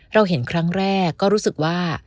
เราเห็นครั้งแรกก็รู้สึกว่า